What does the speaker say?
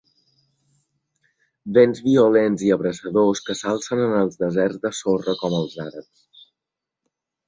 Vents violents i abrasadors que s'alcen en els deserts de sorra com els àrabs.